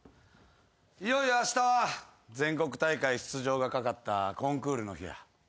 いよいよあしたは全国大会出場が懸かったコンクールの日や。